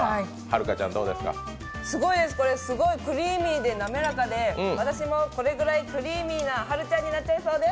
すごいですこれ、すごいクリーミーでなめらかに私もこれぐらいクリーミーなはるちゃんになっちゃいそうです。